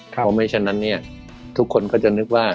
เพราะไม่จะฉะนั้นทุกคนก็จะนึกว่า